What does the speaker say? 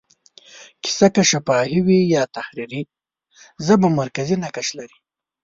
کیسه که شفاهي وي یا تحریري، ژبه مرکزي نقش لري.